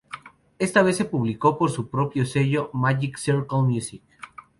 Esta vez se publicó por su propio sello "Magic Circle Music".